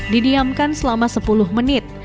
didiamkan selama sepuluh menit